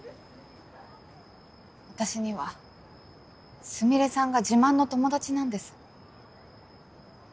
私にはスミレさんが自慢の友達なんです。